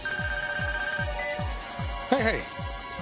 はいはい。